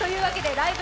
ライブ！」